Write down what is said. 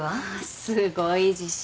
すごい自信。